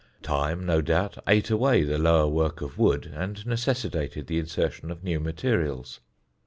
Time, no doubt, ate away the lower work of wood, and necessitated the insertion of new materials.